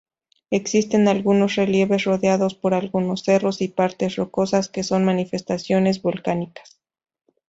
Existen algunos relieves rodeados por algunos cerros y partes rocosas que son manifestaciones volcánicas.